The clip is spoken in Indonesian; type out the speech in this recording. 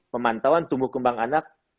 pemantauan tumbuh kembang anak